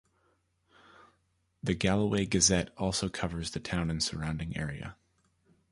The "Galloway Gazette" also covers the town and surrounding area.